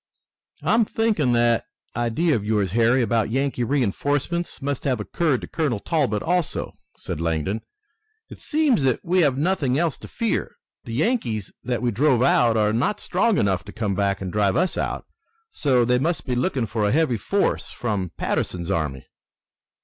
"I'm thinking that idea of yours, Harry, about Yankee reinforcements, must have occurred to Colonel Talbot also," said Langdon. "It seems that we have nothing else to fear. The Yankees that we drove out are not strong enough to come back and drive us out. So they must be looking for a heavy force from Patterson's army."